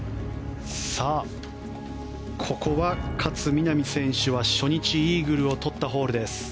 ここは勝みなみ選手は初日イーグルをとったホール。